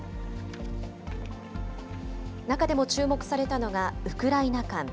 中でも注目されたのが、ウクライナ館。